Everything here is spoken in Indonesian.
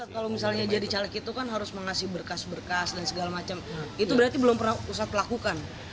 kalau misalnya jadi caleg itu kan harus mengasih berkas berkas dan segala macam itu berarti belum pernah ustadz pelakukan